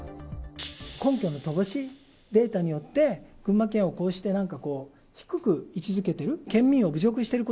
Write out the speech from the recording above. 根拠の乏しいデータによって、群馬県をこうして、なんかこう、低く位置づけてる。